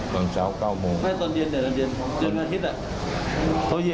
ตอนเช้าเก้าโมง